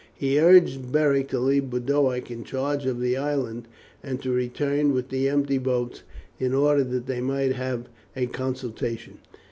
He urged Beric to leave Boduoc in charge of the island, and to return with the empty boats in order that they might have a consultation.